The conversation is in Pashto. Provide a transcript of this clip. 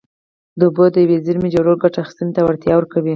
د اوبو د یوې زېرمې جوړول ګټه اخیستنې ته وړتیا ورکوي.